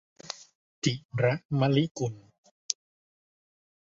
จิระ มะลิกุล